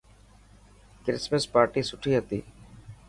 ڪرسمس پارٽي سٺي هتي.